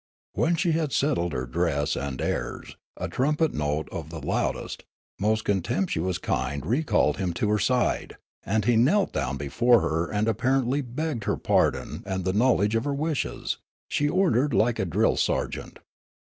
When she had settled her dress and airs, a trumpet note of the loudest, most contemptuous kind recalled him to her side, and he knelt down be fore her and apparently begged her pardon and the knowledge of her wishes ; she ordered like a drill sergeant.